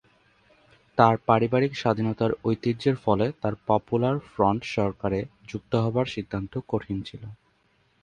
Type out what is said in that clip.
তার পারিবারিক স্বাধীনতার ঐতিহ্যের ফলে তার পপুলার ফ্রন্ট সরকারে যুক্ত হবার সিদ্ধান্ত কঠিন ছিল।